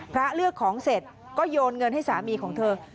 เลือกของเสร็จก็โยนเงินให้สามีของเธอ